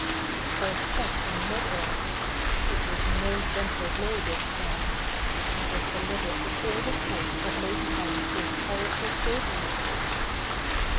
It caught Spot in mid air. It was no gentle blow this time. It was delivered with all the force that lay be hind those powerful shoulder muscles.